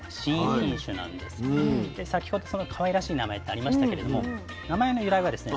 で先ほどそのかわいらしい名前ってありましたけれども名前の由来はですね。